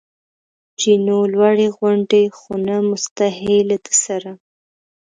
جینو: لوړې غونډۍ، خو نه مسطحې، له ده سره.